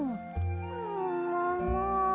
ももも。